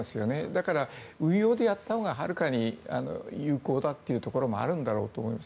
だから運用でやったほうがはるかに有効だというところもあるんだと思います。